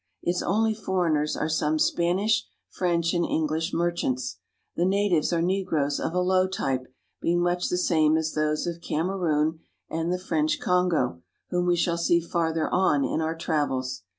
Its only j foreigners are some Spanish, French, and English re thants. The natives are negroes of a low type, being inuch the same as those of Kamerun and the French ] 'Kongo, whom we shall see farther on in our travels.